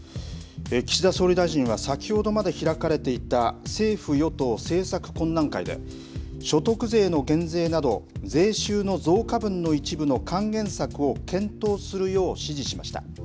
岸田総理大臣は先ほどまで開かれていた政府・与党政策懇談会で所得税の減税など税収の増加分の一部の還元策を検討するよう指示しました。